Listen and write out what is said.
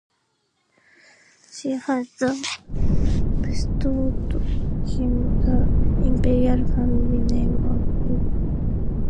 She further bestowed him the imperial family name of Wu.